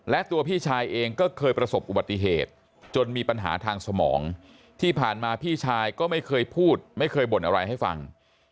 และตัวพี่ชายเองก็เคยประสบอุบัติเหตุจนมีปัญหาทางสมองที่ผ่านมาพี่ชายก็ไม่เคยพูดไม่เคยบ่นอะไรให้ฟัง